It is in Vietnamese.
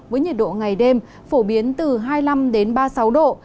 với nhiệt độ ngày đêm phổ biến từ hai mươi năm ba mươi sáu độ